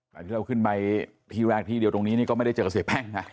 กลายที่เราขึ้นไปทีแรกทีเดียวตรงนี้ก็ไม่ได้เจอกับเสียแป้งค่ะ